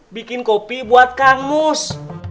bikin kopi buat kangmus